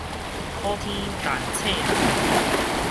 好天霆脆雷